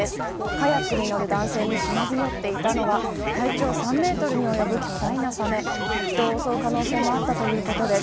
カヤックに乗る男性に忍び寄っていたのは体長３メートルに及ぶ巨大なサメ人を襲う可能性もあったということです。